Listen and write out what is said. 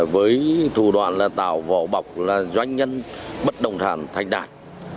với thủ đoạn là tạo vỏ bọc là doanh nhân bất đồng sản thành đạt